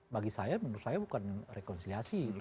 bagi saya menurut saya bukan rekonsiliasi